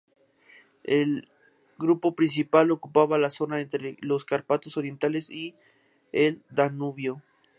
El grupo principal ocupaba la zona entre los Cárpatos orientales y el Danubio.